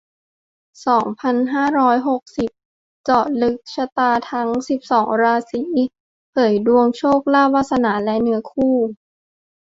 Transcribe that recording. สองพันห้าร้อยหกสิบสี่ เจาะลึกชะตาทั้ง สิบสอง ราศี เผยดวงโชคลาภ วาสนา และเนื้อคู่